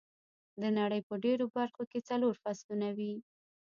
د نړۍ په ډېرو برخو کې څلور فصلونه وي.